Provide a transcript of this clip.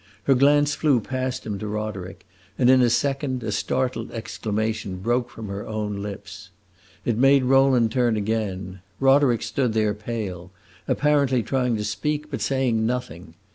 Her glance flew past him to Roderick, and in a second a startled exclamation broke from her own lips. It made Rowland turn again. Roderick stood there, pale, apparently trying to speak, but saying nothing.